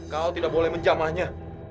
kau tidak boleh menjamahnya